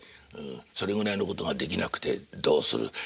それぐらいのことができなくてどうする。